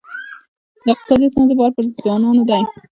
د اقتصادي ستونزو بار پر ځوانانو دی.